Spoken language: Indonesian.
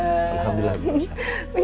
alhamdulillah ibu rossa